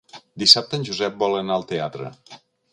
Dissabte en Josep vol anar al teatre.